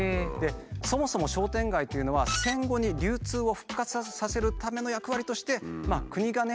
そもそも商店街というのは戦後に流通を復活させるための役割として国がね